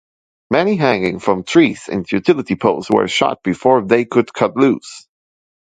Many hanging from trees and utility poles were shot before they could cut loose.